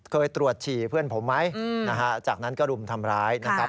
เคยตรวจฉี่เพื่อนผมไหมนะฮะจากนั้นก็รุมทำร้ายนะครับ